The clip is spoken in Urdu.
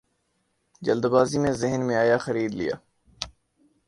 جلد بازی میں ذہن میں آیا خرید لیا